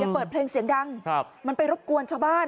เปิดเพลงเสียงดังมันไปรบกวนชาวบ้าน